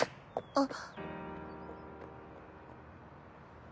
あっ。